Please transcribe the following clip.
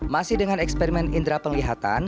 masih dengan eksperimen indera penglihatan